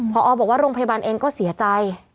พอบอกว่าโรงพยาบาลเองก็เสียใจ